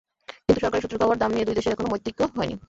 কিন্তু সরকারি সূত্রের খবর, দাম নিয়ে দুই দেশের এখনো মতৈক্য হয়নি।